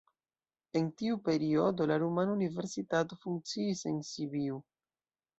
En tiu periodo la rumana universitato funkciis en Sibiu.